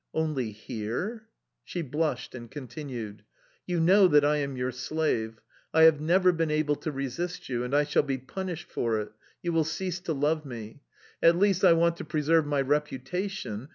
"Only here?"... She blushed and continued: "You know that I am your slave: I have never been able to resist you... and I shall be punished for it, you will cease to love me! At least, I want to preserve my reputation...